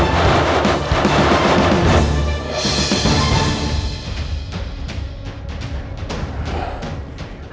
dia yang terper zuger